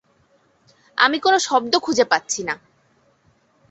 আমি কোনো শব্দ খুজে পাচ্ছি না।